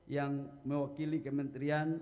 yang mewakili kementerian